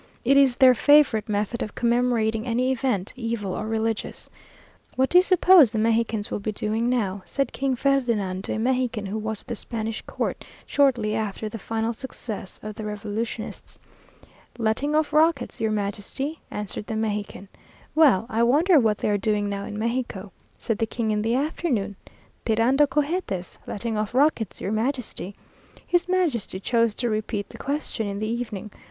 It is their favourite method of commemorating any event, evil or religious. "What do you suppose the Mexicans will be doing now?" said King Ferdinand to a Mexican who was at the Spanish court, shortly after the final success of the Revolutionists. "Letting off rockets, your Majesty," answered the Mexican. "Well I wonder what they are doing now in Mexico!" said the King in the afternoon. "Tirando cohetes letting off rockets, your Majesty." His Majesty chose to repeat the question in the evening.